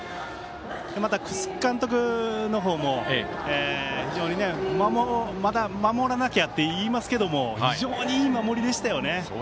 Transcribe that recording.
楠城監督のほうも非常に守らなきゃって言いますけれども非常にいい守りでしたよね。